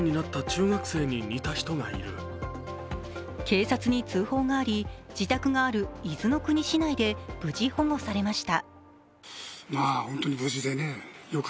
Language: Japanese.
警察に通報があり、自宅がある伊豆の国市内で無事保護されました。